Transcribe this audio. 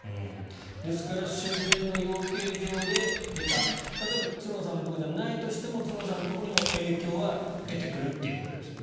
ですから周辺の養鶏場で出た例えば、角田さんのところじゃないとしても角田さんのところにも、影響は出てくるということですよね。